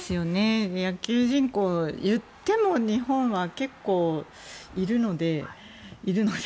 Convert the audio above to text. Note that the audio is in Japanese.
野球人口、言っても日本は結構、いるので。